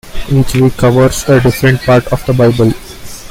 Each week covers a different part of the Bible.